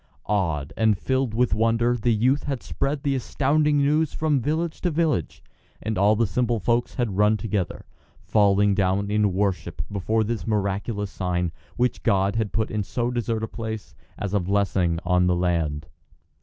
Awed and filled with wonder the youth had spread the astounding news from village to village, and all the simple folk had run together, falling down in worship before this miraculous sign, which God had put in so desert a place, as a blessing on the land.